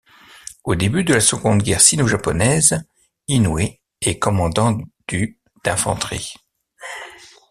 Au début de la seconde guerre sino-japonaise, Inoue est commandant du d'infanterie.